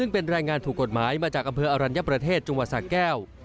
ประเทศจังหวัดศักดิ์แก้ว